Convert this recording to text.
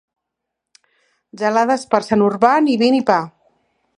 Gelades per Sant Urbà, ni vi ni pa.